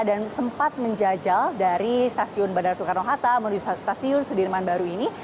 dan sempat menjajal dari stasiun bandara soekarno hatta menuju stasiun sudirman baru ini